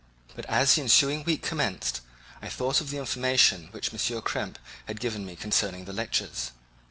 But as the ensuing week commenced, I thought of the information which M. Krempe had given me concerning the lectures.